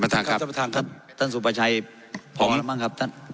ท่านประธานครับท่านสุปชัยพร้อมอะไรบ้างครับท่าน